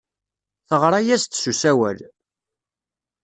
Teɣra-as-d s usawal.